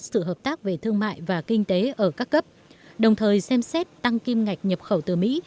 sự hợp tác về thương mại và kinh tế ở các cấp đồng thời xem xét tăng kim ngạch nhập khẩu từ mỹ